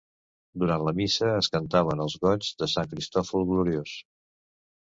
Durant la missa es cantaven els Goigs de Sant Cristòfol Gloriós.